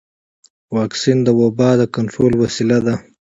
واکسن د وبا د کنټرول وسیله ده.